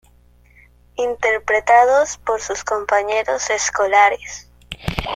Interpretados por sus compañeros escolares.